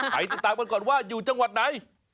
ไปติดตามกันก่อนว่าอยู่จังหวัดไหน